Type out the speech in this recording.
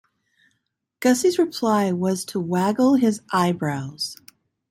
Gussie's reply was to waggle his eyebrows.